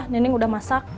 nenek udah masak